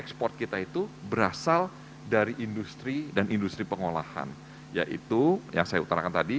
ekspor kita itu berasal dari industri dan industri pengolahan yaitu yang saya utarakan tadi